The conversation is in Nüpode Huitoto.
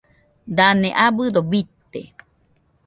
Dane abɨdo bite